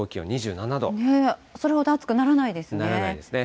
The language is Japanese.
それほど暑くならないですね。